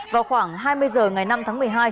vào khoảng hai mươi h ngày năm tháng một mươi hai